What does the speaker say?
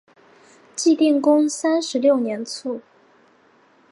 晋定公三十六年卒。